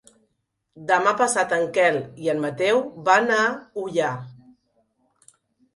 Demà passat en Quel i en Mateu van a Ullà.